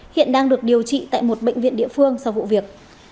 hiện đang được điều trị tại một bệnh viện địa phương sau vụ việc